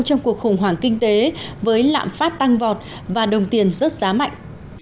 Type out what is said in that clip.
trong cuộc khủng hoảng kinh tế với lạm phát tăng vọt và đồng tiền rớt giá mạnh